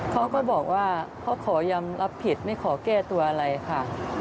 เขาก็บอกว่าเขาขอยอมรับผิดไม่ขอแก้ตัวอะไรค่ะ